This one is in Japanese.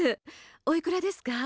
おいくらですか？